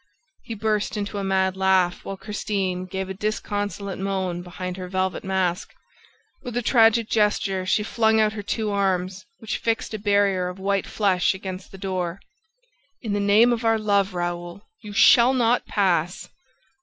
He burst into a mad laugh, while Christine gave a disconsolate moan behind her velvet mask. With a tragic gesture, she flung out her two arms, which fixed a barrier of white flesh against the door. "In the name of our love, Raoul, you shall not pass!